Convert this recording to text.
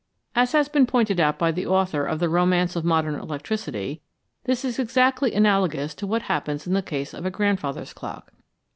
As has been pointed out by the author of "The Romance of Modern Electricity," this is exactly analogous to what happens in the case of a " grandfather's clock.""